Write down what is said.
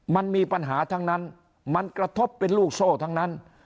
มันมีปัญหาทั้งนั้นมันกระทบเป็นลูกโซ่ทั้งนั้น